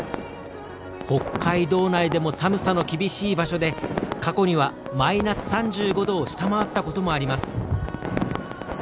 北海道内でも寒さの厳しい場所で過去にはマイナス３５度を下回ったこともあります。